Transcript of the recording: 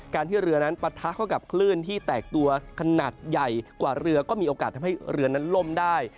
ที่เรือนั้นปะทะเข้ากับคลื่นที่แตกตัวขนาดใหญ่กว่าเรือก็มีโอกาสทำให้เรือนั้นล่มได้